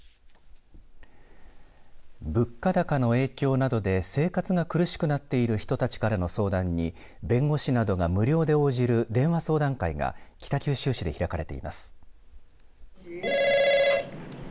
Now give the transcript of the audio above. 物価高の影響などで生活が苦しくなっている人たちからの相談に弁護士などが無料で応じる電話相談会が北九州市で開かれています。